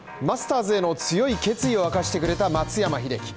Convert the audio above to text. マスターズへの強い決意を明かしてくれた松山英樹